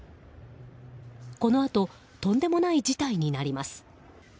このあととんでもない事態になります。